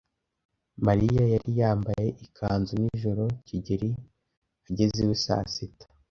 Mariya yari yambaye ikanzu nijoro, kigeli ageze iwe saa sita.